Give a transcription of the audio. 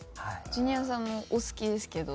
ジュニアさんもお好きですけど。